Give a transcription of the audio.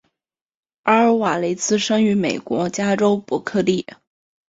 阿尔瓦雷茨生于美国加州伯克利。